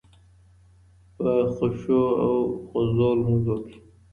په خشوع او خضوع لمونځ وکړئ